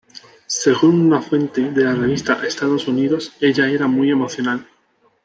Según una fuente de la revista Estados Unidos, "Ella era muy emocional.